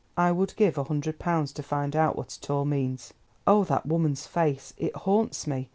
"I would give a hundred pounds to find out what it all means. Oh! that woman's face—it haunts me.